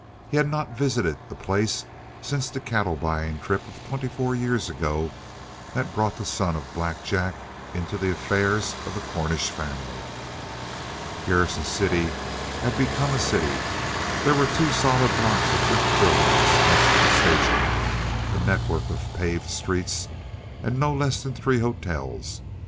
He had not visited the place since that cattle buying trip of twenty four years ago that brought the son of Black Jack into the affairs of the Cornish family. Garrison City had become a city. There were two solid blocks of brick buildings next to the station, a network of paved streets, and no less than three hotels.